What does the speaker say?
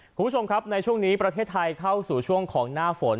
คุณผู้ชมครับในช่วงนี้ประเทศไทยเข้าสู่ช่วงของหน้าฝน